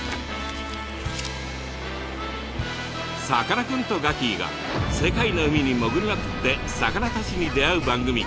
さかなクンとガキィが世界の海に潜りまくって魚たちに出会う番組！